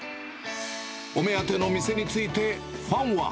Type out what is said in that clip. お目当ての店について、ファンは。